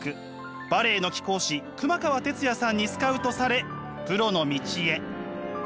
バレエの貴公子熊川哲也さんにスカウトされプロの道へ。